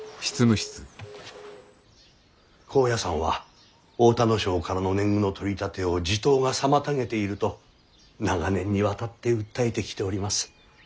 高野山は太田荘からの年貢の取り立てを地頭が妨げていると長年にわたって訴えてきております。